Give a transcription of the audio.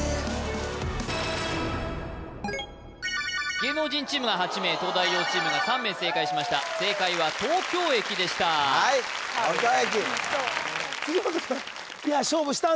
芸能人チームが８名東大王チームが３名正解しました正解は東京駅でした東京駅辻本くん